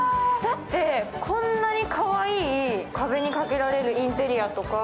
こんなにかわいい壁に掛けられるインテリアとか。